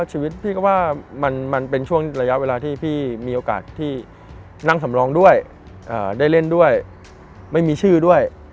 ชีวิตพี่ก็ว่ามันเป็นช่วงระยะเวลาที่พี่มีโอกาสที่นั่งสำรองด้วยได้เล่นด้วยไม่มีชื่อด้วย